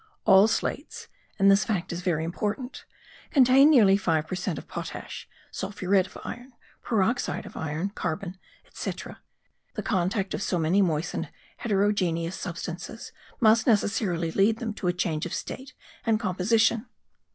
All slates, and this fact is very important, contain nearly five per cent of potash, sulphuret of iron, peroxide of iron, carbon, etc. The contact of so many moistened heterogeneous substances must necessarily lead them to a change of state and composition.